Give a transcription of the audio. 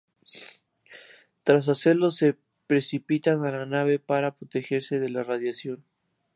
Tras hacerlo, se precipitan a la nave para protegerse de la radiación.